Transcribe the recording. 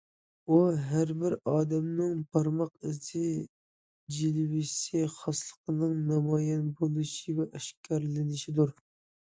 ئۇ ھەر بىر ئادەمنىڭ بارماق ئىزى، جىلۋىسى، خاسلىقنىڭ نامايان بولۇشى ۋە ئاشكارىلىنىشىدۇر.